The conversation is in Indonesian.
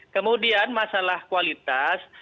kemudian masalah kualitas